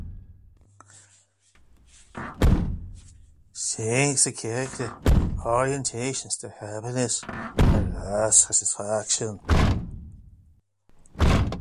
Strengths of character, orientations to happiness, and life satisfaction.